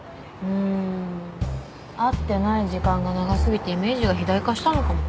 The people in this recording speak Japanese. うん会ってない時間が長すぎてイメージが肥大化したのかも。